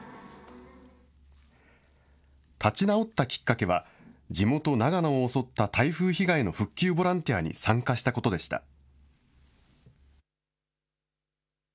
立ち直ったきっかけは、地元、長野を襲った台風被害の復旧ボランティアに参加したことでした。